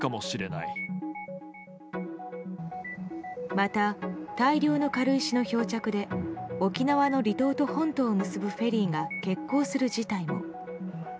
また、大量の軽石の漂着で沖縄の離島と本島を結ぶフェリーが欠航する事態も。